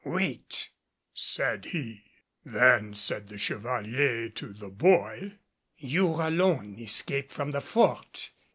"Wait," said he. Then said the Chevalier to the boy, "You alone escaped from the Fort.